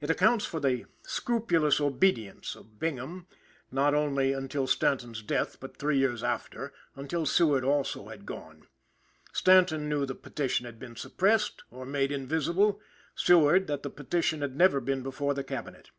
It accounts for the "scrupulous obedience" of Bingham, not only until Stanton's death, but three years after, until Seward, too, had gone. Stanton knew the petition had been suppressed or made invisible; Seward, that the petition never had been before the Cabinet.